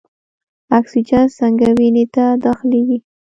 اکسیجن څنګه وینې ته داخلیږي؟